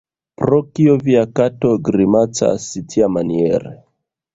Pro kio via kato grimacas tiamaniere?